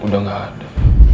udah nggak ada